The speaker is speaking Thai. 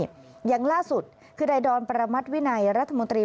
หน้าที่อย่างล่าสุดคือไดดรประมัติวินัยรัฐมนตรี